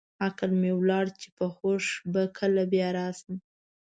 عقل مې ولاړ چې په هوښ به کله بیا راشم.